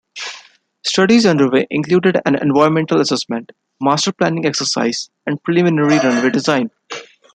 Studies underway included an environmental assessment, master planning exercise and preliminary runway design.